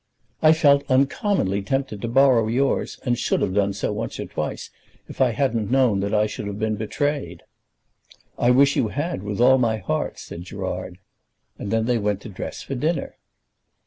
"I felt uncommonly tempted to borrow yours; and should have done so once or twice if I hadn't known that I should have been betrayed." "I wish you had, with all my heart," said Gerard. And then they went to dress for dinner.